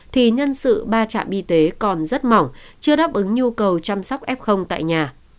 thì nhân sự ba trạm y tế còn rất mỏng chưa đáp ứng nhu cầu chăm sóc f tại nhà